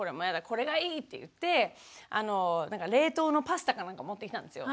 これがいいって言って冷凍のパスタか何か持ってきたんですよ。